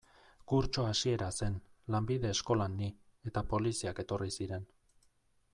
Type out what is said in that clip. Kurtso hasiera zen, lanbide eskolan ni, eta poliziak etorri ziren.